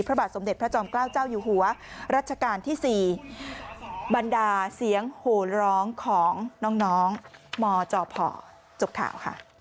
โปรดติดตามตอนต่อไป